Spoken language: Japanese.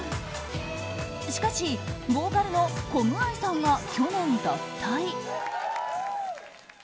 しかし、ボーカルのコムアイさんが去年脱退。